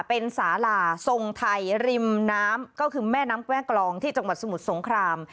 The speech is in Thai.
เป็นสาลาทรงไทยริมน้ำก็คือแม่น้ำแกว้งกลองที่จังหวัดสมุทรสงคราม